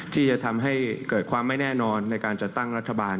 ที่จะทำให้เกิดความไม่แน่นอนในการจัดตั้งรัฐบาล